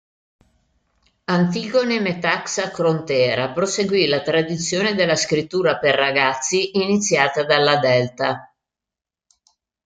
Antigone Metaxa-Krontera proseguì la tradizione della scrittura per ragazzi iniziata dalla Delta.